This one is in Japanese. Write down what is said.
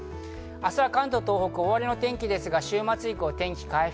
明日は関東、東北、大荒れの天気ですが週末以降、天気が回復。